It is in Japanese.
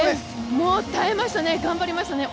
もう耐えましたね、頑張りましたね。